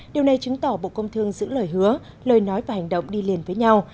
điều này chứng tỏ bộ công thương giữ lời hứa lời nói và hành động đi liền với nhau